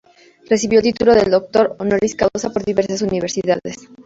Recibió el título de doctor "honoris causa" por diversas universidades.